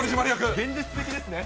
現実的ですね。